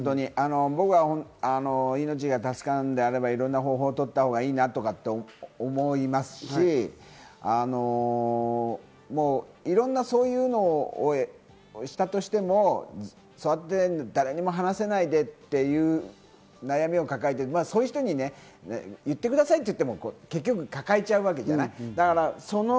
僕は命が助かるのであれば、いろんな方法をとったほうがいいなと思いますし、いろんなそういうことをしたとしても、誰にも話せないという悩みを抱えている人に言ってくださいって言っても抱えちゃうわけじゃない。